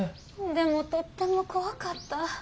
でもとっても怖かった。